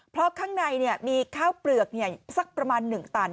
เพราะข้างในมีข้าวเปลือกสักประมาณ๑ตัน